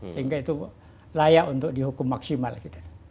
sehingga itu layak untuk dihukum maksimal gitu